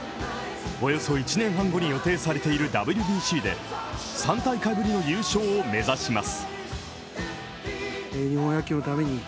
およそ１年半後に予定されているＷＢＣで３大会ぶりの優勝を目指します。